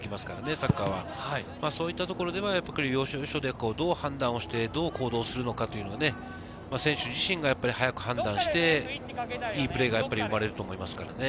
サッカーは要所要所でどう判断して、どう行動するのか、選手自身が早く判断して、いいプレーが生まれると思いますからね。